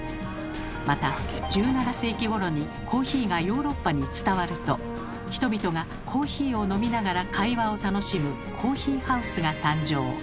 また１７世紀ごろにコーヒーがヨーロッパに伝わると人々がコーヒーを飲みながら会話を楽しむコーヒーハウスが誕生。